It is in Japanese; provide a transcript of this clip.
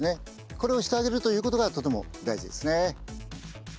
これをしてあげるということがとても大事ですね。